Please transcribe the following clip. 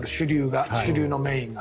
主流のメインが。